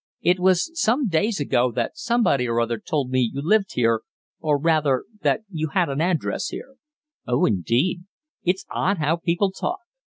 "It was some days ago that somebody or other told me you lived here, or rather that you had an address here." "Oh, indeed. It's odd how people talk.